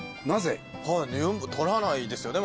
ユンボ取らないですよね